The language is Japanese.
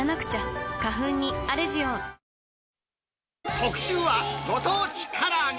特集は、ご当地からあげ。